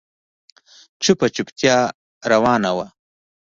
چوپه چوپتيا روانه وه.